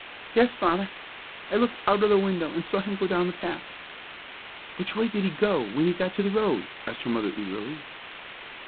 "Yes, Father; I looked out o' the window, an' saw him go down the path." "Which way did he go when he got to the road?" asked her mother, eagerly.